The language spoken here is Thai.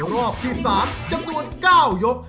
รอบที่๓จำนวน๙ยก